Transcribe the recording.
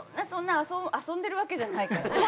そんな遊んでるわけじゃないから。